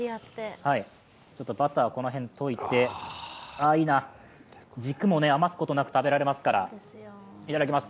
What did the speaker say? バターをこの辺に溶いて、ああいいな軸も余すことなく食べられますから。